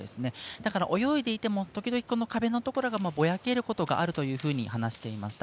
だから泳いでいても時々壁のところがぼやけることがあると話していました。